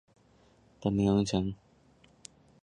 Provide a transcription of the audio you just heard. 本名融成。